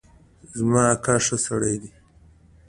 زما اکا ښه سړی دی